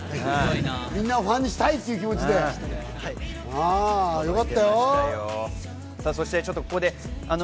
みんなをファンにしたいって気持ちでよかったよ。